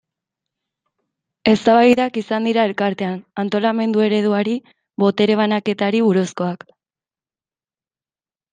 Eztabaidak izan dira Elkartean, antolamendu ereduari, botere banaketari buruzkoak.